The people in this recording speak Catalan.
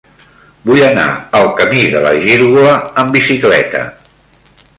Vull anar al camí de la Gírgola amb bicicleta.